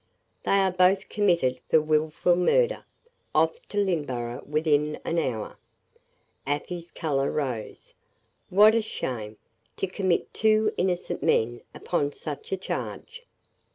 "They are both committed for wilful murder off to Lynneborough within an hour!" Afy's color rose. "What a shame! To commit two innocent men upon such a charge."